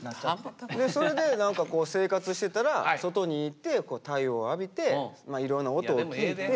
それで生活してたら外に行って太陽浴びていろんな音を聞いて。